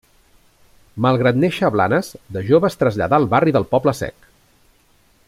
Malgrat néixer a Blanes, de jove es traslladà al barri del Poble Sec.